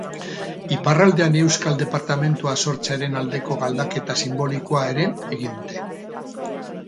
Iparraldean euskal departamentua sortzearen aldeko galdeketa sinbolikoa ere egin dute.